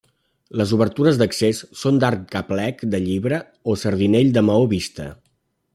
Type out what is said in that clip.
Les obertures d'accés són d'arc a plec de llibre o sardinell de maó vista.